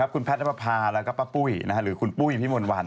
ก็มีคุณแพทย์พัภาแล้วก็ปละปุ๋ยน่ะหรือคุณปุ๋ยนวีฟม่นวัน